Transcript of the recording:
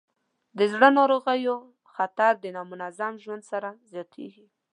د زړه ناروغیو خطر د نامنظم ژوند سره زیاتېږي.